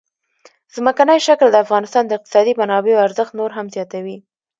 ځمکنی شکل د افغانستان د اقتصادي منابعو ارزښت نور هم زیاتوي.